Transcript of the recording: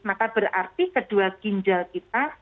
maka berarti kedua ginjal kita